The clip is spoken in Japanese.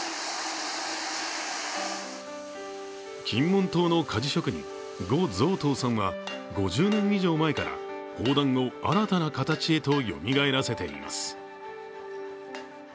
金門島の鍛冶職人・呉増棟さんは５０年以上前から砲弾を新たな形へとよみがえらせています。